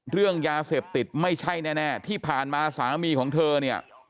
เรื่องยาเสพติดไม่ใช่แน่ที่ผ่านมาสามีของเธอเนี่ย